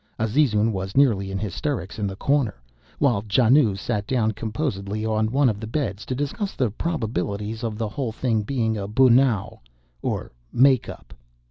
Azizun was nearly in hysterics in the corner; while Janoo sat down composedly on one of the beds to discuss the probabilities of the whole thing being a bunao, or "make up."